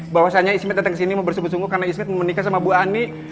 bahwasanya ismet datang kesini mau bersebut sungguh karena ismet mau menikah sama bu ani